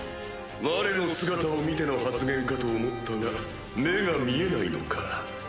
われの姿を見ての発言かと思ったが目が見えないのか。